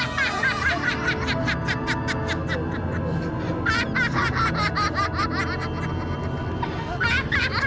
kau akan berada di tempat alam yang lain